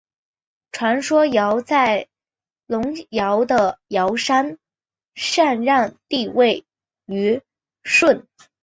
传说尧在隆尧的尧山禅让帝位予舜。